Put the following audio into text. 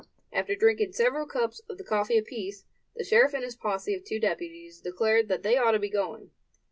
After drinking several cups of the coffee apiece, the sheriff and his posse of two deputies declared that they ought to be going.